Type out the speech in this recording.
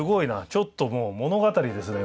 ちょっともう物語ですね